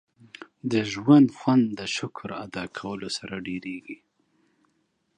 • د ژوند خوند د شکر ادا کولو سره ډېرېږي.